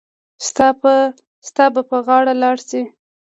ستا به په غاړه لار شي.